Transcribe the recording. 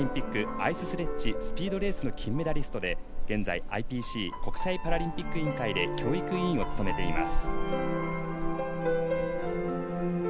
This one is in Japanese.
アイススレッジスピードレースの金メダリストで、現在ＩＰＣ＝国際パラリンピック委員会で教育委員を務めています。